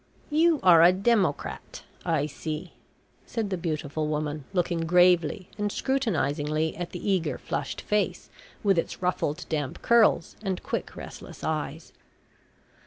"You are a democrat, I see," said the beautiful woman, looking gravely and scrutinisingly at the eager flushed face, with its ruffled damp curls, and quick restless eyes.